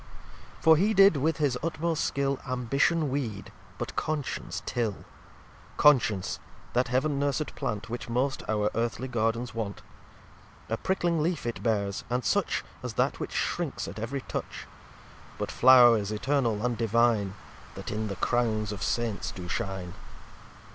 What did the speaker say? xlv For he did, with his utmost Skill, Ambition weed, but Conscience till. Conscience, that Heaven nursed Plant, Which most our Earthly Gardens want. A prickling leaf it bears, and such As that which shrinks at ev'ry touch; But Flow'rs eternal, and divine, That in the Crowns of Saints do shine.